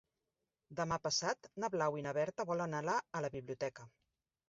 Demà passat na Blau i na Berta volen anar a la biblioteca.